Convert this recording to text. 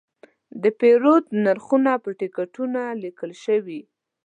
د پیرود نرخونه په ټکټونو لیکل شوي.